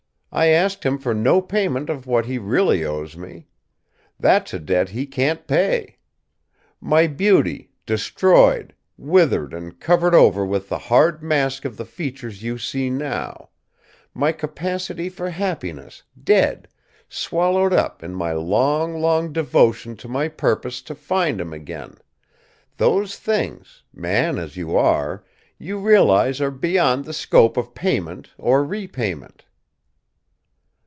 I asked him for no payment of what he really owes me. That's a debt he can't pay! My beauty, destroyed, withered and covered over with the hard mask of the features you see now; my capacity for happiness, dead, swallowed up in my long, long devotion to my purpose to find him again those things, man as you are, you realize are beyond the scope of payment or repayment!"